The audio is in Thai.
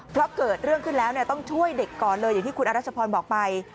เพราะเกิดเรื่องขึ้นแล้วต้องช่วยเด็กก่อนเลยอย่างที่คุณอรัชพรบอกไป